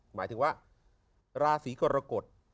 หมายถึงว่าราศีกรกฎ